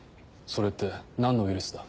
それって何のウイルスだ？